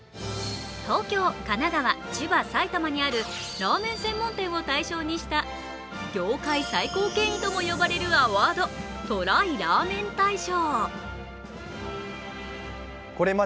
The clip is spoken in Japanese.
東京、神奈川、千葉、埼玉にあるラーメン専門店を対象にした業界最高権威とも呼ばれるアワード、ＴＲＹラーメン大賞。